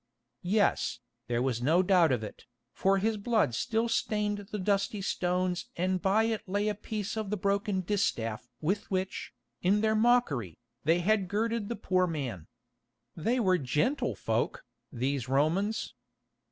Yes, there was no doubt of it, for his blood still stained the dusty stones and by it lay a piece of the broken distaff with which, in their mockery, they had girded the poor man. They were gentle folk, these Romans!